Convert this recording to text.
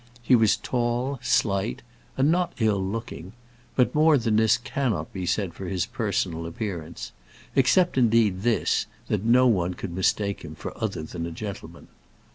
He was tall, slight, and not ill looking; but more than this cannot be said for his personal appearance except, indeed, this, that no one could mistake him for other than a gentleman.